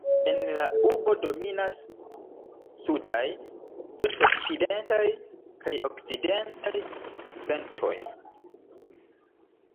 En la urbo dominas sudaj, sud-okcidentaj kaj okcidentaj ventoj.